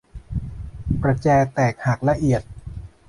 ประแจแตกหักละเอียด